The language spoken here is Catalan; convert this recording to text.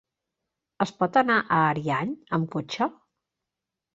Es pot anar a Ariany amb cotxe?